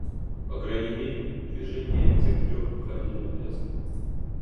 По крайней мере, движения тех трех походили на пляску.